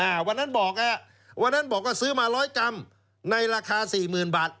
วันนั้นบอกไงอ่ะวันนั้นบอกว่าซื้อมาร้อยกรัมในราคาสี่หมื่นบาท